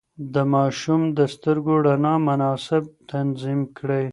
د ماشوم د سترګو رڼا مناسب تنظيم کړئ.